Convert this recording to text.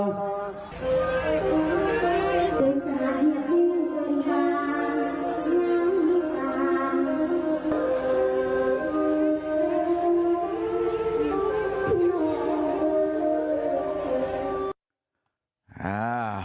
สวัสดีคุณทุกคน